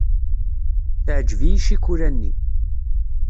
Teɛjeb-iyi ccikula-nni.